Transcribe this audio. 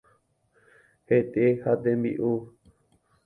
Hete ha hembi'u.